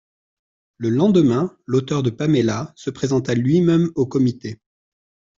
Le lendemain l'auteur de Paméla se présenta lui-même au comité.